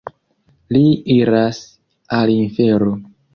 Li iras al infero.